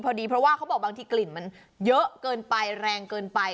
พอดีเพราะว่าเขาบอกบางทีกลิ่นมันเยอะเกินไปแรงเกินไป